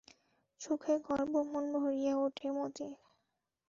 সুখে গর্বে মন ভরিয়া ওঠে মতির।